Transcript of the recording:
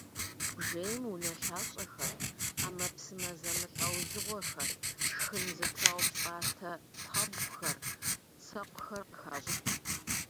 Бжейм унэлъащӏэхэр, ӏэмэпсымэ зэмылӏэужьыгъуэхэр, шхын зытраупщӏатэ пхъэбгъухэр, сэкъухэр къыхащӏыкӏ.